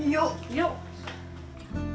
よっ。